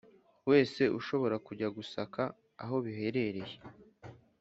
wese ashobora kujya gusaka aho biherereye